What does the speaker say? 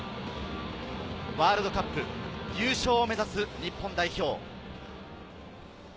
ワールドカップ優勝を目指す日本代表。